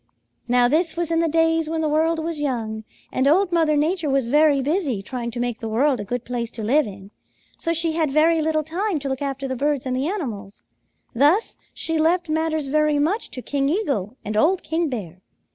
Now this was in the days when the world was young, and Old Mother Nature was very busy trying to make the world a good place to live in, so she had very little time to look after the birds and the animals. Thus she left matters very much to King Eagle and old King Bear.